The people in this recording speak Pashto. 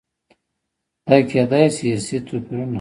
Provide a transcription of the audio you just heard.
دا کېدای شي ارثي توپیرونه هم وي.